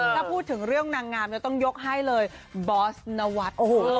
ถ้าพูดถึงเรื่องนางงามต้องยกให้เลยบอสนวัฒน์